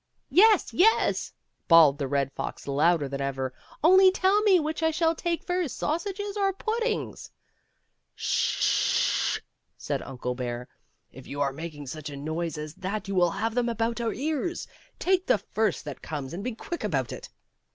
" Yes, yes," bawled the Red Fox louder than ever, " only tell me which I shall take first, sausages or puddings ?"" Sh h h h !" said Uncle Bear, " if you are making such a noise as that you will have them about our ears ; take the first that comes and be quick about it."